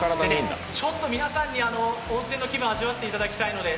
ちょっと皆さんに温泉の気分を味わっていただきたいので